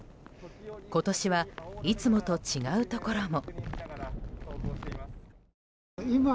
今年は、いつもと違うところも。